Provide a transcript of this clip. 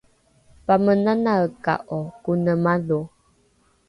pamenanaeka’o kone madho?